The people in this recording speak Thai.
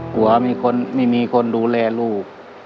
กลัวไม่มีคนดูแลลูก